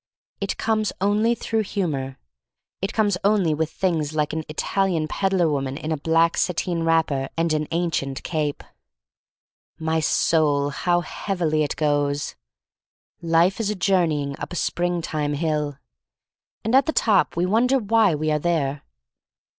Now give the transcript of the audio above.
It comes only through humor. It comes only with things like an Italian peddler woman in a black satine wrapper and an ancient cape. My soul — how heavily it goes. Life is a journeying up a spring time hill. And at the top we wonder why we are there.